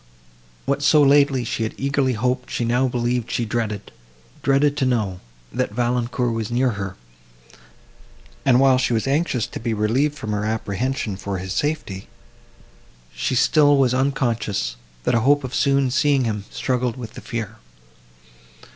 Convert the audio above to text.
What so lately she had eagerly hoped she now believed she dreaded;—dreaded to know, that Valancourt was near her; and, while she was anxious to be relieved from her apprehension for his safety, she still was unconscious, that a hope of soon seeing him, struggled with the fear.